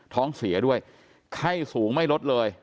ท้องเสียด้วยไข้สูงไม่ลดเลย